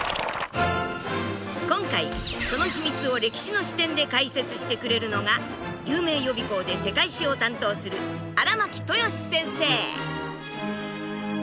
今回その秘密を歴史の視点で解説してくれるのが有名予備校で世界史を担当する荒巻豊志先生。